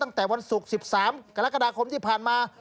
ตั้งแต่วันศุกร์๑๓กรกฎาคมที่ผ่านมา